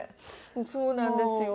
そうなんですよ。